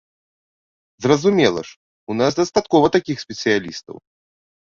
Зразумела ж, у нас дастаткова такіх спецыялістаў.